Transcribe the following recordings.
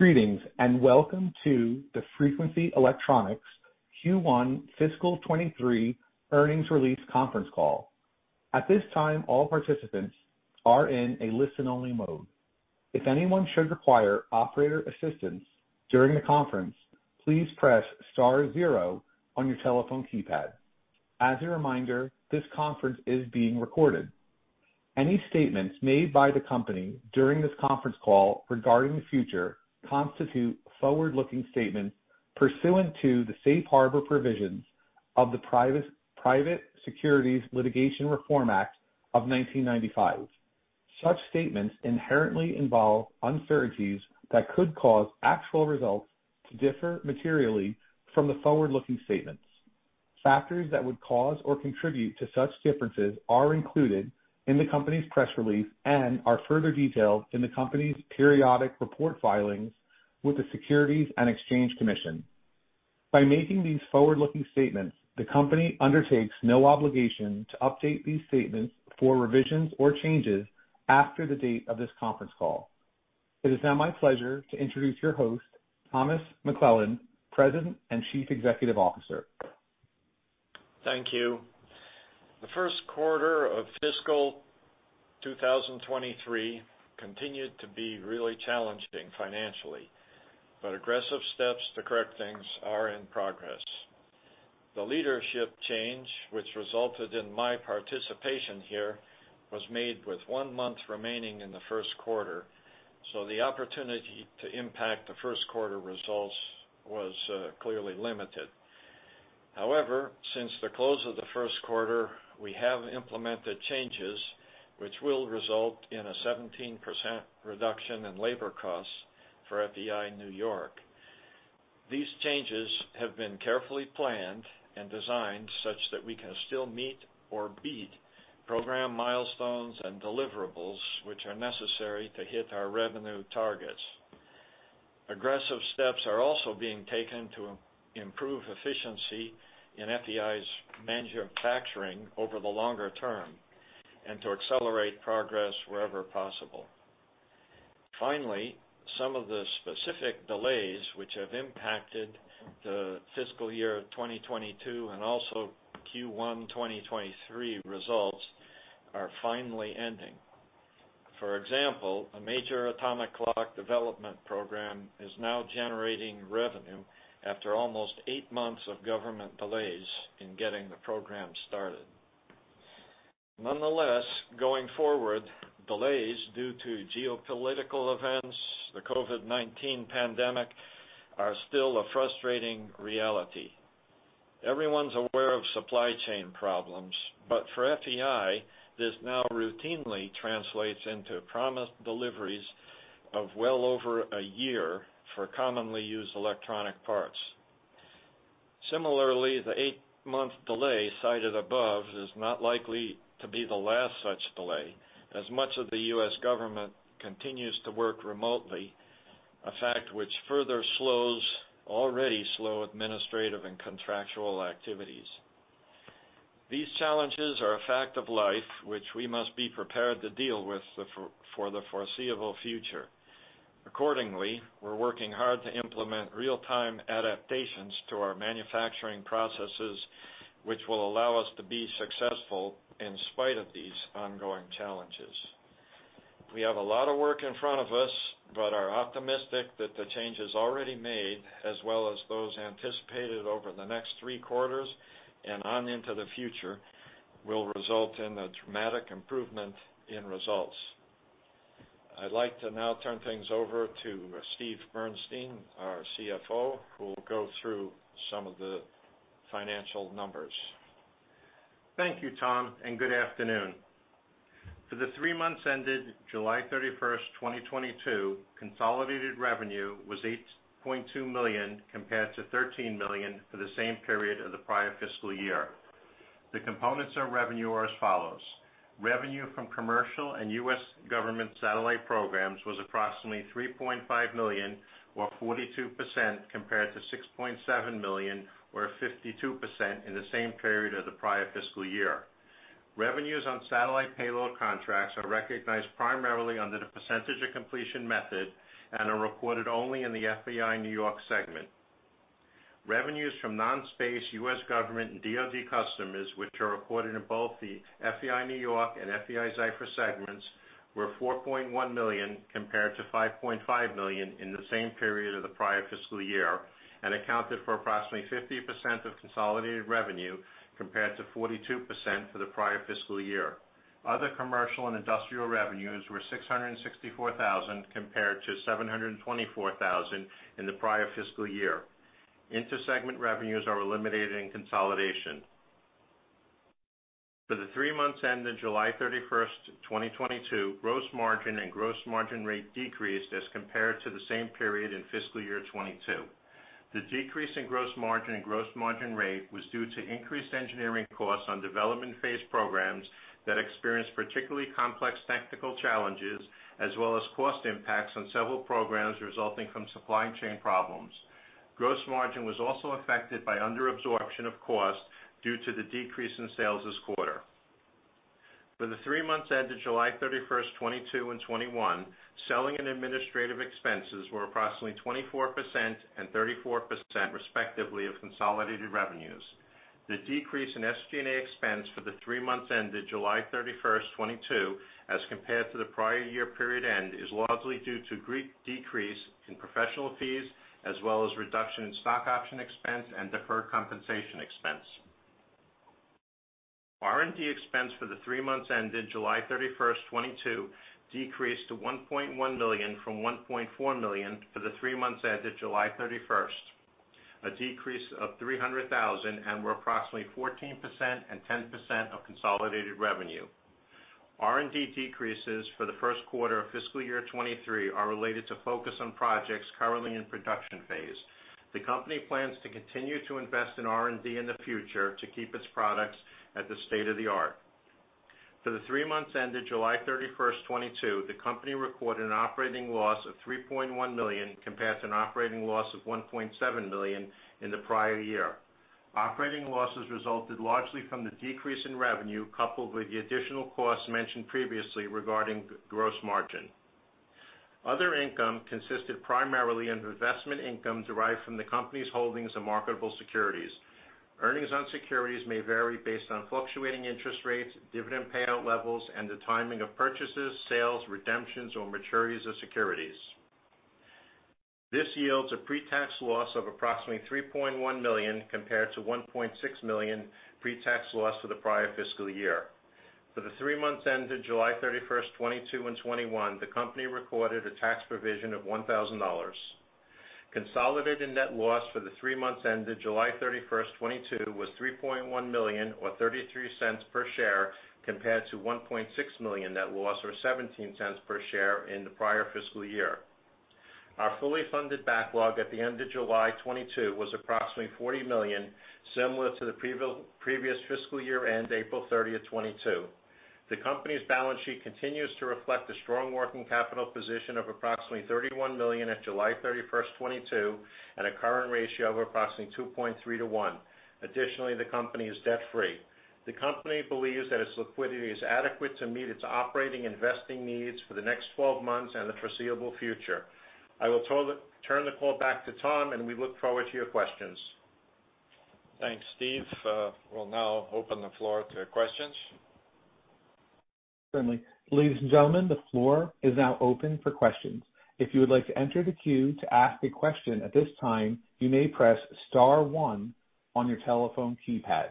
Greetings, and welcome to the Frequency Electronics Q1 Fiscal 2023 Earnings Release Conference Call. At this time, all participants are in a listen-only mode. If anyone should require operator assistance during the conference, please press star zero on your telephone keypad. As a reminder, this conference is being recorded. Any statements made by the company during this conference call regarding the future constitute forward-looking statements pursuant to the Safe Harbor Provisions of the Private Securities Litigation Reform Act of 1995. Such statements inherently involve uncertainties that could cause actual results to differ materially from the forward-looking statements. Factors that would cause or contribute to such differences are included in the company's press release and are further detailed in the company's periodic report filings with the Securities and Exchange Commission. By making these forward-looking statements, the company undertakes no obligation to update these statements for revisions or changes after the date of this conference call. It is now my pleasure to introduce your host, Thomas McClelland, President and Chief Executive Officer. Thank you. The Q1 of fiscal 2023 continued to be really challenging financially, aggressive steps to correct things are in progress. The leadership change, which resulted in my participation here, was made with one month remaining in the Q1, the opportunity to impact the Q1 results was clearly limited. However, since the close of the Q1, we have implemented changes which will result in a 17% reduction in labor costs for FEI New York. These changes have been carefully planned and designed such that we can still meet or beat program milestones and deliverables which are necessary to hit our revenue targets. Aggressive steps are also being taken to improve efficiency in FEI's manufacturing over the longer term and to accelerate progress wherever possible. Finally, some of the specific delays which have impacted the fiscal year of 2022 and also Q1 2023 results are finally ending. For example, a major atomic clock development program is now generating revenue after almost eight months of government delays in getting the program started. Nonetheless, going forward, delays due to geopolitical events, the COVID-19 pandemic, are still a frustrating reality. Everyone's aware of supply chain problems, but for FEI, this now routinely translates into promised deliveries of well over a year for commonly used electronic parts. Similarly, the eight-month delay cited above is not likely to be the last such delay, as much of the U.S. government continues to work remotely, a fact which further slows already slow administrative and contractual activities. These challenges are a fact of life which we must be prepared to deal with them for the foreseeable future. Accordingly, we're working hard to implement real-time adaptations to our manufacturing processes, which will allow us to be successful in spite of these ongoing challenges. We have a lot of work in front of us, but are optimistic that the changes already made, as well as those anticipated over the next three quarters and on into the future, will result in a dramatic improvement in results. I'd like to now turn things over to Steve Bernstein, our CFO, who will go through some of the financial numbers. Thank you, Tom, and good afternoon. For the three months ended July 31st, 2022, consolidated revenue was $8.2 million compared to $13 million for the same period of the prior fiscal year. The components of revenue are as follows. Revenue from commercial and U.S. government satellite programs was approximately $3.5 million or 42% compared to $6.7 million or 52% in the same period of the prior fiscal year. Revenues on satellite payload contracts are recognized primarily under the percentage of completion method and are reported only in the FEI New York segment. Revenues from non-space U.S. government and DoD customers, which are reported in both the FEI New York and FEI-Zyfer segments, were $4.1 million compared to $5.5 million in the same period of the prior fiscal year and accounted for approximately 50% of consolidated revenue compared to 42% for the prior fiscal year. Other commercial and industrial revenues were $664,000 compared to $724,000 in the prior fiscal year. Inter-segment revenues are eliminated in consolidation. For the three months ended July 31st, 2022, gross margin and gross margin rate decreased as compared to the same period in fiscal year 2022. The decrease in gross margin and gross margin rate was due to increased engineering costs on development phase programs that experienced particularly complex technical challenges as well as cost impacts on several programs resulting from supply chain problems. Gross margin was also affected by under absorption of cost due to the decrease in sales this quarter. For the three months ended July 31st, 2022 and 2021, selling and administrative expenses were approximately 24% and 34% respectively of consolidated revenues. The decrease in SG&A expense for the three months ended July 31st, 2022, as compared to the prior year period end, is largely due to greater decrease in professional fees as well as reduction in stock option expense and deferred compensation expense. R&D expense for the three months ended July 31stst, 2022, decreased to $1.1 million from $1.4 million for the three months ended July 31. A decrease of $300,000 and were approximately 14% and 10% of consolidated revenue. R&D decreases for the Q1 of fiscal year 2023 are related to focus on projects currently in production phase. The company plans to continue to invest in R&D in the future to keep its products at the state-of-the-art. For the three months ended July 31st, 2022, the company recorded an operating loss of $3.1 million compared to an operating loss of $1.7 million in the prior year. Operating losses resulted largely from the decrease in revenue, coupled with the additional costs mentioned previously regarding gross margin. Other income consisted primarily of investment income derived from the company's holdings and marketable securities. Earnings on securities may vary based on fluctuating interest rates, dividend payout levels, and the timing of purchases, sales, redemptions, or maturities of securities. This yields a pre-tax loss of approximately $3.1 million compared to $1.6 million pre-tax loss for the prior fiscal year. For the three months ended July 31st, 2022 and 2021, the company recorded a tax provision of $1,000. Consolidated net loss for the three months ended July 31st, 2022, was $3.1 million or $0.33 per share, compared to $1.6 million net loss or $0.17 per share in the prior fiscal year. Our fully funded backlog at the end of July 2022 was approximately $40 million, similar to the previous fiscal year end, April 30th, 2022. The company's balance sheet continues to reflect a strong working capital position of approximately $31 million at July 31st, 2022, and a current ratio of approximately 2.3/1. Additionally, the company is debt-free. The company believes that its liquidity is adequate to meet its operating investing needs for the next 12 months and the foreseeable future. I will turn the call back to Tom, and we look forward to your questions. Thanks, Steve. We'll now open the floor to questions. Certainly. Ladies and gentlemen, the floor is now open for questions. If you would like to enter the queue to ask a question at this time, you may press star one on your telephone keypad.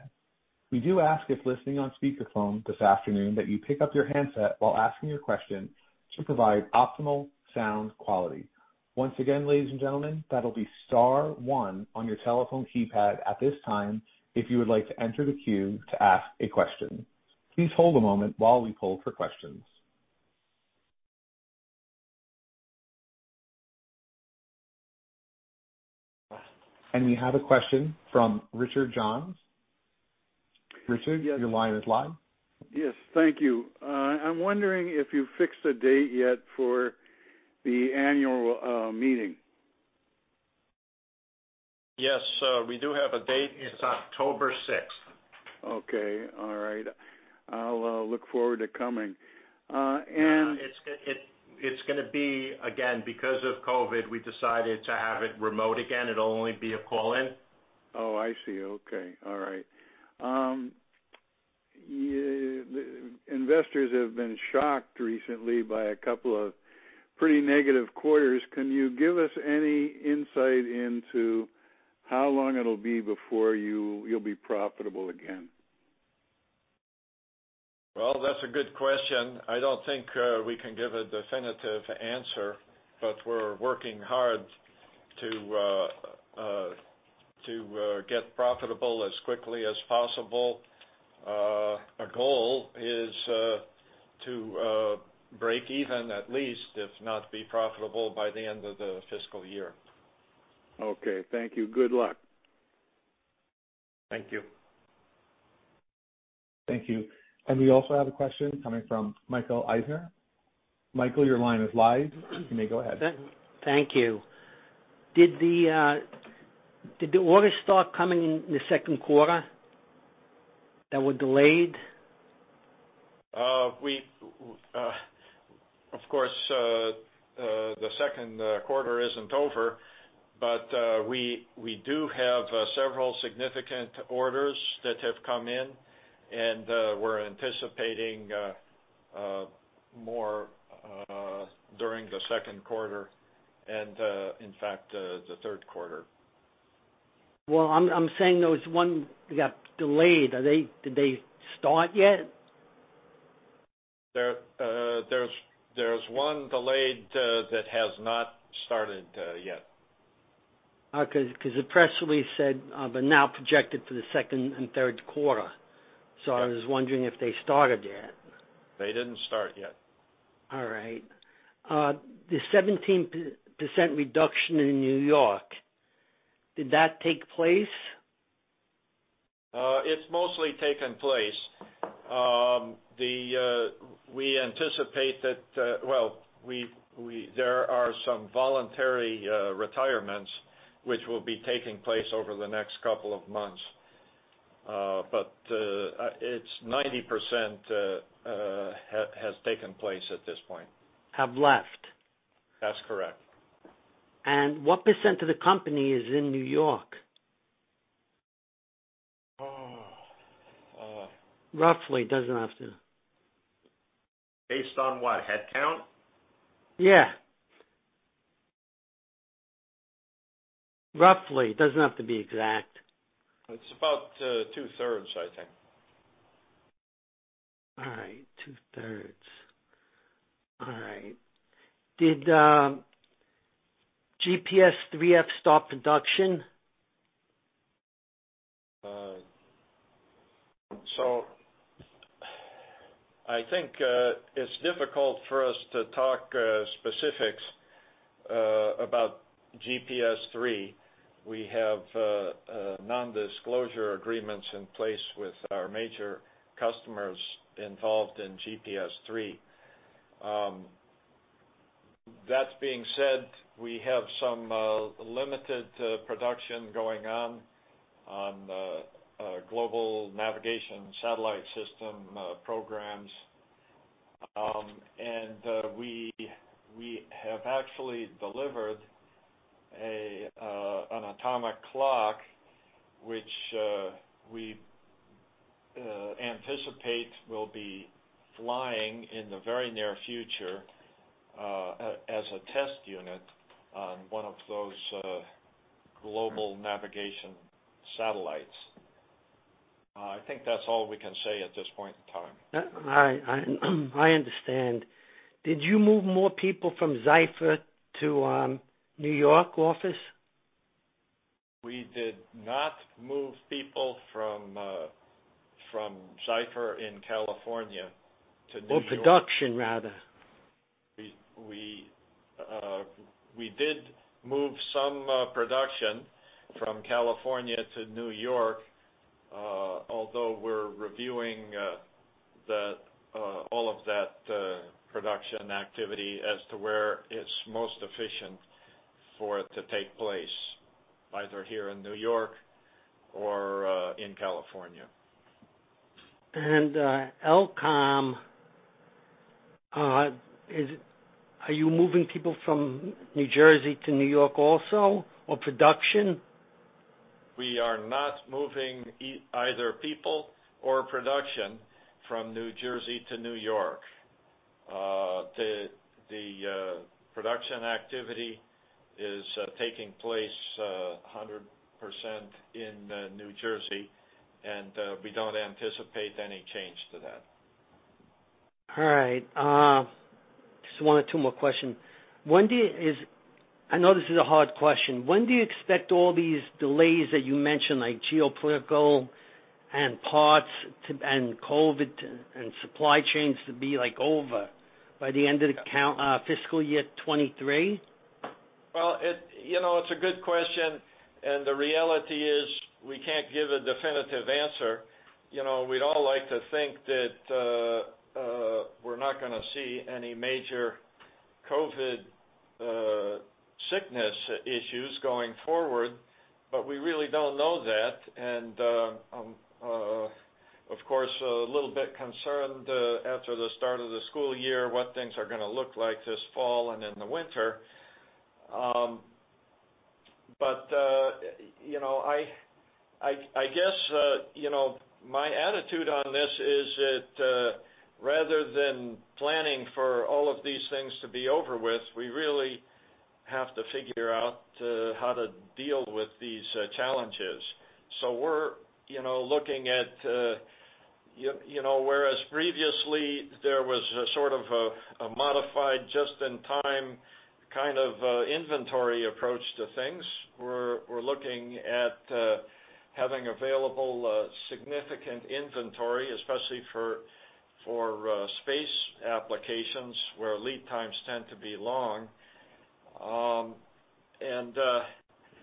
We do ask, if listening on speaker phone this afternoon, that you pick up your handset while asking your question to provide optimal sound quality. Once again, ladies and gentlemen, that'll be star one on your telephone keypad at this time if you would like to enter the queue to ask a question. Please hold a moment while we pull for questions. We have a question from Richard Johns. Richard? Yes. Your line is live. Yes, thank you. I'm wondering if you've fixed a date yet for the annual meeting? Yes, we do have a date. It's October sixth. Okay. All right. I'll look forward to coming. It's gonna be again because of COVID. We decided to have it remote again. It'll only be a call-in. Oh, I see. Okay. All right. Investors have been shocked recently by a couple of pretty negative quarters. Can you give us any insight into how long it'll be before you'll be profitable again? Well, that's a good question. I don't think we can give a definitive answer, but we're working hard to get profitable as quickly as possible. Our goal is to break even at least, if not be profitable by the end of the fiscal year. Okay. Thank you. Good luck. Thank you. Thank you. We also have a question coming from Michael Eisner. Michael, your line is live. You may go ahead. Thank you. Did the orders start coming in in the Q2 that were delayed? Of course, the Q2 isn't over, but we do have several significant orders that have come in, and we're anticipating more during the Q2 and, in fact, the Q3. Well, I'm saying those one that got delayed. Did they start yet? There's one delayed that has not started yet. Okay. 'Cause the press release said, "But now projected for the Q2 and Q3. Yeah. I was wondering if they started yet? They didn't start yet. All right. The 17% reduction in New York, did that take place? It's mostly taken place. We anticipate that there are some voluntary retirements which will be taking place over the next couple of months. It's 90% has taken place at this point. Have left? That's correct. What percent of the company is in New York? Roughly. It doesn't have to. Based on what, headcount? Yeah. Roughly. It doesn't have to be exact. It's about 2/3, I think. All right. Two-thirds. All right. Did GPS III have stopped production? I think it's difficult for us to talk specifics about GPS III. We have nondisclosure agreements in place with our major customers involved in GPS III. That being said, we have some limited production going on global navigation satellite system programs. We have actually delivered an atomic clock, which we anticipate will be flying in the very near future, as a test unit on one of those global navigation satellites. I think that's all we can say at this point in time. All right. I understand. Did you move more people from Zyfer to New York office? We did not move people from Zyfer in California to New York. Production, rather. We did move some production from California to New York, although we're reviewing the overall production activity as to where it's most efficient for it to take place, either here in New York or in California. Elcom, are you moving people from New Jersey to New York also, or production? We are not moving either people or production from New Jersey to New York. The production activity is taking place 100% in New Jersey, and we don't anticipate any change to that. All right. Just one or two more question. I know this is a hard question. When do you expect all these delays that you mentioned, like geopolitical and parts and COVID and supply chains to be, like, over, by the end of the fiscal year 2023? Well, you know, it's a good question, and the reality is, we can't give a definitive answer. You know, we'd all like to think that, we're not gonna see any major COVID sickness issues going forward, but we really don't know that. Of course, a little bit concerned after the start of the school year, what things are gonna look like this fall and in the winter. You know, I guess you know, my attitude on this is that rather than planning for all of these things to be over with, we really have to figure out how to deal with these challenges. We're you know, looking at you know, whereas previously there was a sort of a modified just-in-time kind of inventory approach to things. We're looking at having available significant inventory, especially for space applications, where lead times tend to be long.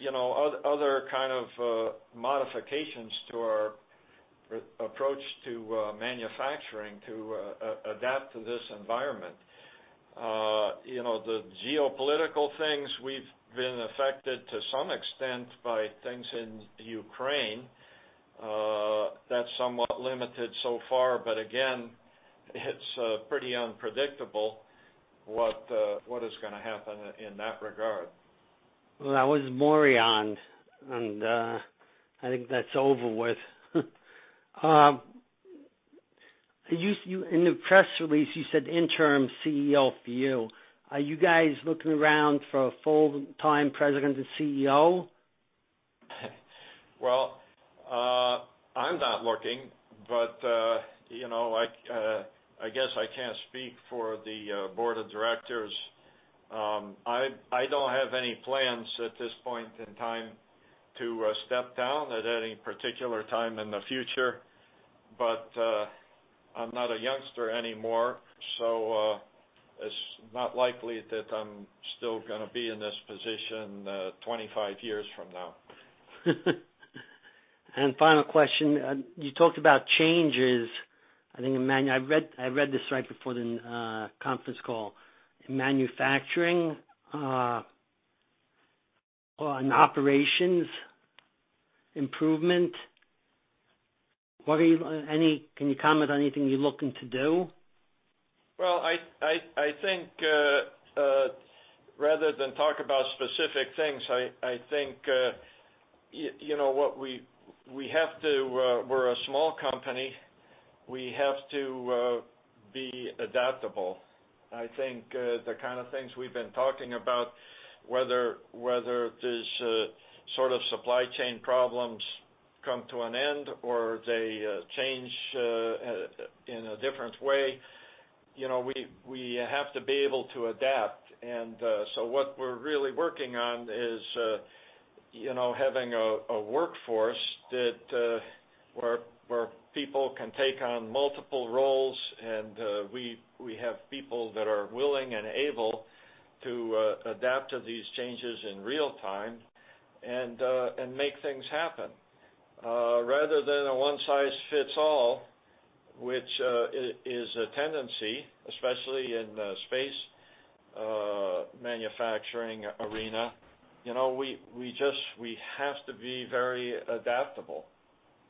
You know, other kind of modifications to our approach to manufacturing to adapt to this environment. You know, the geopolitical things, we've been affected to some extent by things in Ukraine. That's somewhat limited so far, but again, it's pretty unpredictable what is gonna happen in that regard. Well, that was Morion, and I think that's over with. In the press release, you said interim CEO for you. Are you guys looking around for a full-time president and CEO? Well, I'm not looking, but, you know, I guess I can't speak for the board of directors. I don't have any plans at this point in time to step down at any particular time in the future, but, I'm not a youngster anymore, so, it's not likely that I'm still gonna be in this position, 25 years from now. Final question. You talked about changes, I think I read this right before the conference call. In manufacturing or in operations improvement, can you comment on anything you're looking to do? Well, rather than talk about specific things, you know what we have to. We're a small company. We have to be adaptable. I think the kind of things we've been talking about, whether these sort of supply chain problems come to an end or they change in a different way, you know, we have to be able to adapt. What we're really working on is you know, having a workforce that where people can take on multiple roles and we have people that are willing and able to adapt to these changes in real time and make things happen. Rather than a one size fits all, which is a tendency, especially in the space manufacturing arena. You know, we just have to be very adaptable.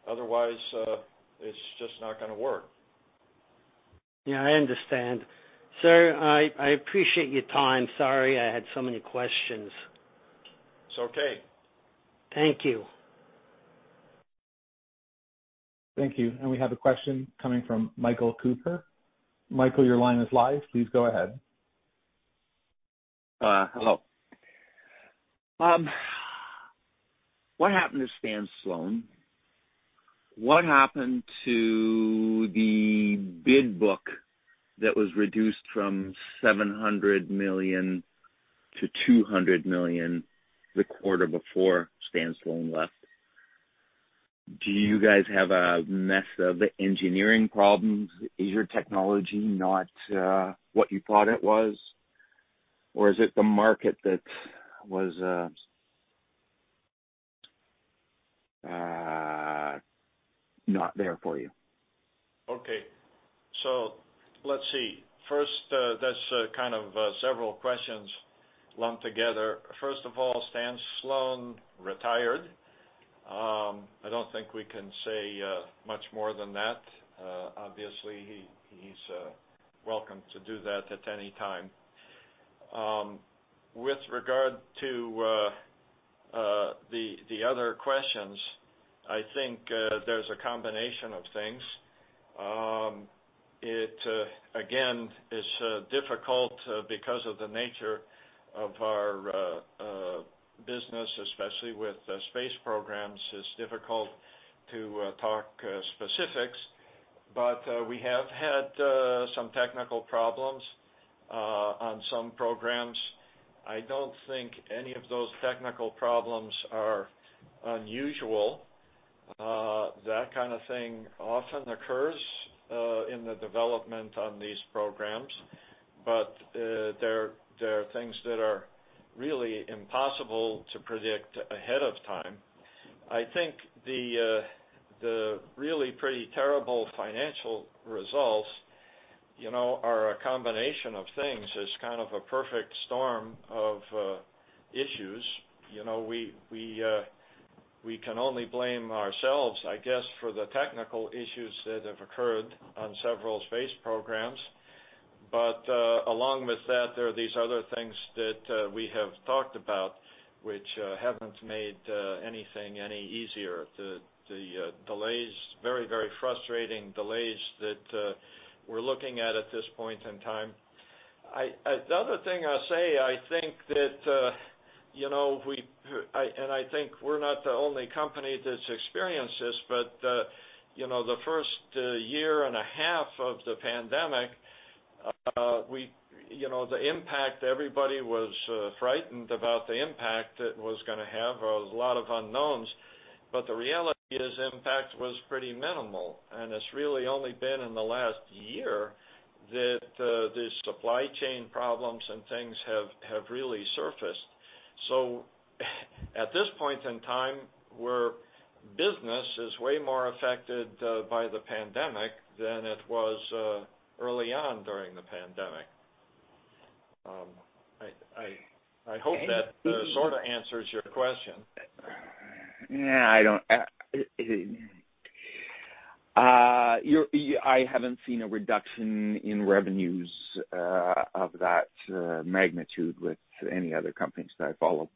Otherwise, it's just not gonna work. Yeah, I understand. Sir, I appreciate your time. Sorry, I had so many questions. It's okay. Thank you. Thank you. We have a question coming from Michael Cooper. Michael, your line is live. Please go ahead. Hello. What happened to Stan Sloan? What happened to the big book that was reduced from $700 million-$200 million the quarter before Stan Sloan left? Do you guys have a mess of engineering problems? Is your technology not what you thought it was? Or is it the market that was not there for you? Okay, let's see. First, that's kind of several questions lumped together. First of all, Stan Sloan retired. I don't think we can say much more than that. Obviously he is welcome to do that at any time. With regard to the other questions, I think there's a combination of things. It again is difficult because of the nature of our business, especially with the space programs. It's difficult to talk specifics, but we have had some technical problems on some programs. I don't think any of those technical problems are unusual. That kind of thing often occurs in the development on these programs. There are things that are really impossible to predict ahead of time. I think the really pretty terrible financial results, you know, are a combination of things, it's kind of a perfect storm of issues. You know, we can only blame ourselves, I guess, for the technical issues that have occurred on several space programs. Along with that, there are these other things that we have talked about, which haven't made anything any easier. The delays, very frustrating delays that we're looking at at this point in time. The other thing I'll say, I think that, you know, we're not the only company that's experienced this, but, you know, the first year and a half of the pandemic, we, you know, the impact, everybody was frightened about the impact it was gonna have. There was a lot of unknowns, but the reality is, impact was pretty minimal, and it's really only been in the last year that the supply chain problems and things have really surfaced. At this point in time, where business is way more affected by the pandemic than it was early on during the pandemic. I hope that sort of answers your question. Yeah. I haven't seen a reduction in revenues of that magnitude with any other companies that I follow.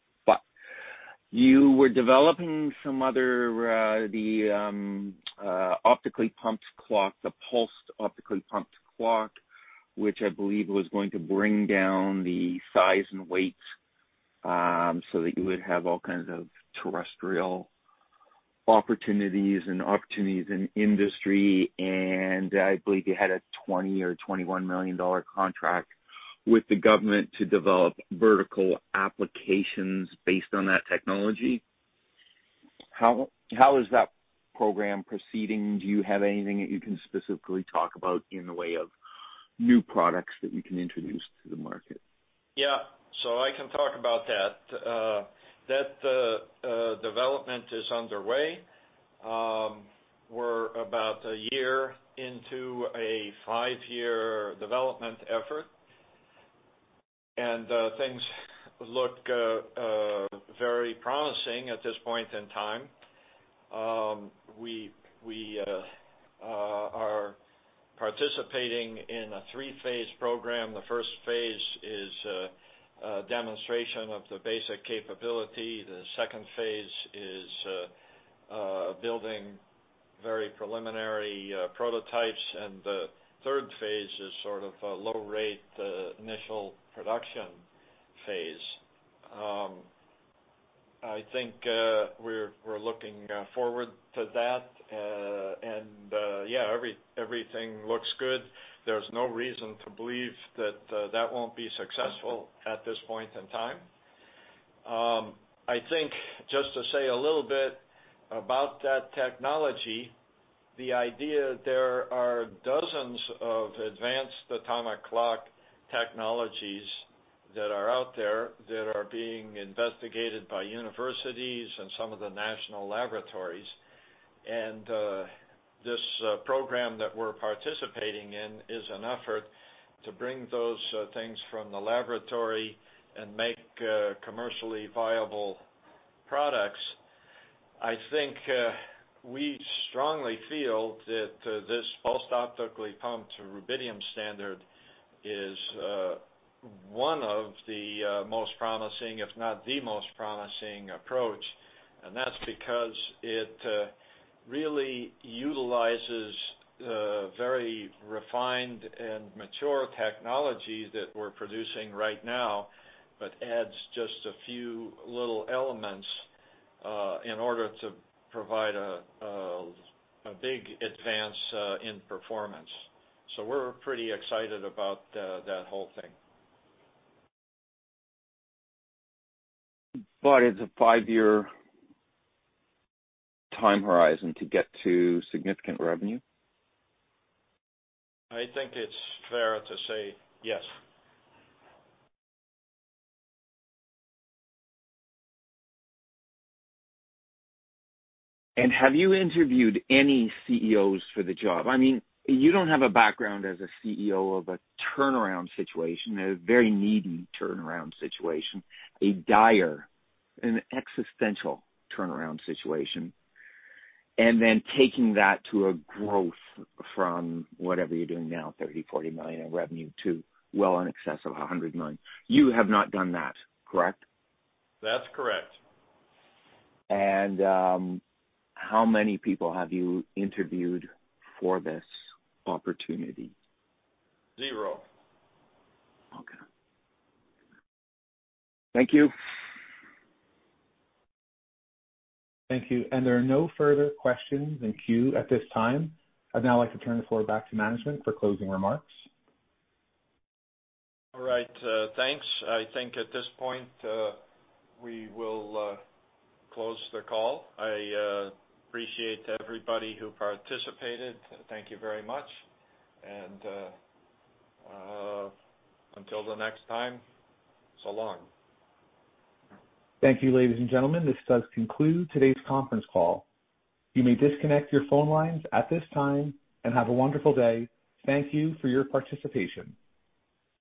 You were developing some other optically pumped clock, the pulsed optically pumped clock, which I believe was going to bring down the size and weight so that you would have all kinds of terrestrial opportunities and opportunities in industry. I believe you had a $20 million or $21 million contract with the government to develop vertical applications based on that technology. How is that program proceeding? Do you have anything that you can specifically talk about in the way of new products that we can introduce to the market. Yeah. I can talk about that. Development is underway. We're about a year into a five-year development effort. Things look very promising at this point in time. We are participating in a three-phase program. The first phase is demonstration of the basic capability. The second phase is building very preliminary prototypes. The third phase is sort of a low rate initial production phase. I think we're looking forward to that. Yeah, everything looks good. There's no reason to believe that won't be successful at this point in time. I think just to say a little bit about that technology, the idea there are dozens of advanced atomic clock technologies that are out there that are being investigated by universities and some of the national laboratories. This program that we're participating in is an effort to bring those things from the laboratory and make commercially viable products. I think we strongly feel that this pulsed optically pumped rubidium standard is one of the most promising, if not the most promising approach. That's because it really utilizes very refined and mature technologies that we're producing right now, but adds just a few little elements in order to provide a big advance in performance. We're pretty excited about that whole thing. It's a five-year time horizon to get to significant revenue? I think it's fair to say yes. Have you interviewed any CEOs for the job? I mean, you don't have a background as a CEO of a turnaround situation, a very needy turnaround situation, a dire and existential turnaround situation, and then taking that to a growth from whatever you're doing now, $30 million-$40 million in revenue to well in excess of $100 million. You have not done that, correct? That's correct. How many people have you interviewed for this opportunity? Zero. Okay. Thank you. Thank you. There are no further questions in queue at this time. I'd now like to turn the floor back to management for closing remarks. All right, thanks. I think at this point, we will close the call. I appreciate everybody who participated. Thank you very much. Until the next time, so long. Thank you, ladies and gentlemen. This does conclude today's conference call. You may disconnect your phone lines at this time, and have a wonderful day. Thank you for your participation.